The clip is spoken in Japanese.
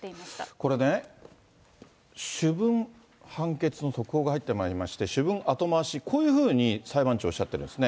これね、主文、判決の速報が入ってまいりまして、主文後回し、こういうふうに裁判長おっしゃってますね。